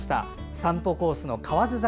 散歩コースの河津桜。